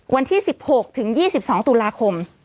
วันที่๑๖ถึง๒๒ตุลาคม